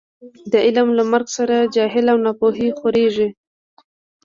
د عالم له مرګ سره جهل او نا پوهي خورېږي.